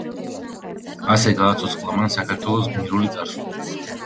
ასე გააცოცხლა მან საქართველოს გმირული წარსული.